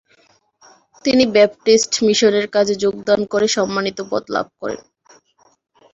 তিনি ব্যাপটিস্ট মিশনের কাজে যোগদান করে সম্মানিত পদ লাভ করেন।